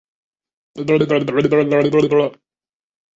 络蛱蝶属是蛱蝶亚科网蛱蝶族中的一个属。